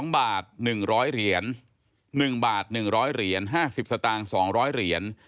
๒บาท๑๐๐เหรียญ๑บาท๑๐๐เหรียญ๕๐สตางค์๒๐๐เหรียญ